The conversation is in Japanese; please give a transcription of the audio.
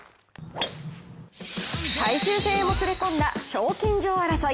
最終戦へもつれこんだ賞金女王争い。